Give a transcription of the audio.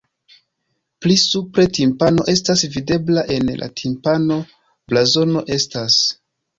Pli supre timpano estas videbla, en la timpano blazono estas.